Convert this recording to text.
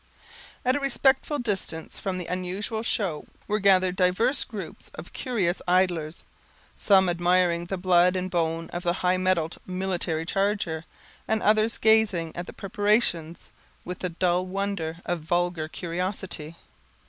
At a respectful distance from this unusual show, were gathered divers groups of curious idlers; some admiring the blood and bone of the high mettled military charger, and others gazing at the preparations, with the dull wonder of vulgar curiosity.